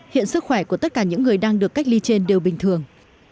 hiện sức khỏe của tất cả những người đang được cách ly trên đều bình thường